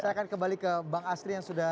saya akan kembali ke bang astri yang sudah